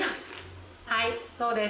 はいそうです。